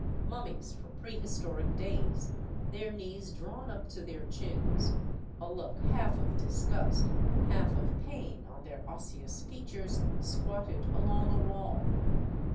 Mummies from prehistoric days, their knees drawn up to their chins, a look half of disgust, half of pain on their osseous features, squatted along a wall.